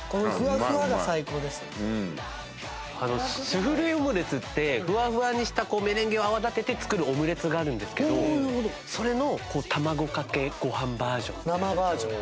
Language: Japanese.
スフレオムレツってふわふわにしたメレンゲを泡立てて作るオムレツがあるんですけどそれの卵かけご飯バージョン。